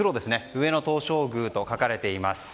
上野東照宮と書かれています。